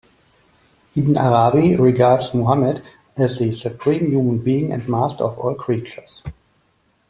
Ibn Arabi regards Muhammad as the supreme human being and master of all creatures.